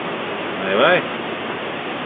Mais oui !